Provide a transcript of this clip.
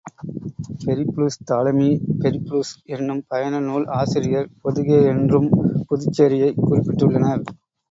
Periplus Ptolemy Periplus என்னும் பயண நூல் ஆசிரியர் பொதுகே என்றும் புதுச்சேரியைக் குறிப்பிட்டுள்ளனர்.